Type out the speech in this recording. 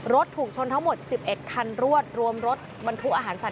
ถูกชนทั้งหมด๑๑คันรวดรวมรถบรรทุกอาหารสัตว